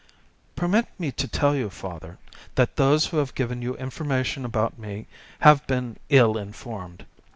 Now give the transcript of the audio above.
"Permit me to tell you, father, that those who have given you information about me have been ill informed.